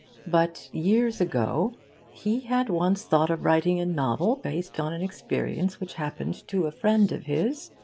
') But, years ago, 'he had once thought of writing a novel based on an experience which happened to a friend of his.